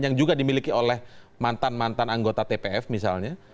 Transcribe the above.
yang juga dimiliki oleh mantan mantan anggota tpf misalnya